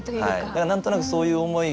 だから何となくそういう思い。